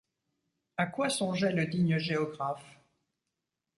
À quoi songeait le digne géographe?